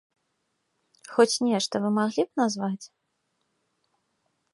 Хоць нешта вы маглі б назваць?